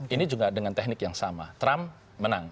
ini juga dengan teknik yang sama trump menang